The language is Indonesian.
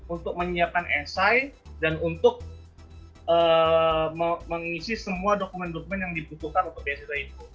untuk menyiapkan si dan untuk mengisi semua dokumen dokumen yang dibutuhkan untuk beasiswa itu